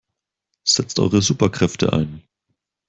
Setzt eure Superkräfte ein!